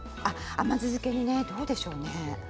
甘酢漬けねどうでしょうか。